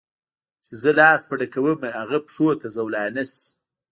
چي زه لاس په ډکومه هغه پښو ته زولانه سي